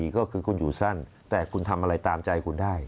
ก็คือคุณอยู่สั้นแต่คุณทำอะไรตามใจคุณได้